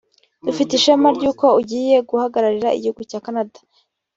dufite ishema ry’uko ugiye guhagararira igihugu cya Canada…”